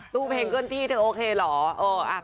ตู้เพลงเกิ้ลที่เธอโอเคเหรอ